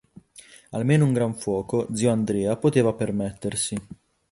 Almeno un gran fuoco zio Andrea poteva permettersi.